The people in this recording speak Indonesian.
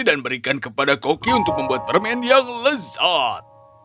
dan berikan kepada koki untuk membuat permen yang lezat